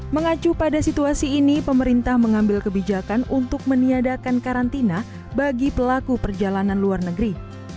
mengacu pada situasi ini pemerintah mengambil kebijakan untuk meniadakan karantina bagi pelaku perjalanan luar negeri